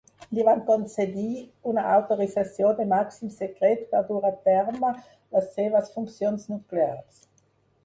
Li van concedir una autorització de màxim secret per dur a terme les seves funcions nuclears.